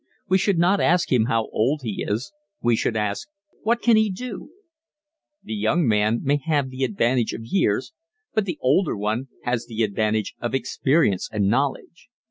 We should not ask him how old he is ... we should ask: "What can he do?" The young man may have the advantage of years but the older one has the advantage of experience and knowledge.